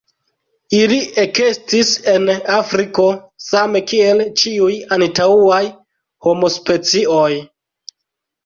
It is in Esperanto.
Ili ekestis en Afriko, same kiel ĉiuj antaŭaj homospecioj.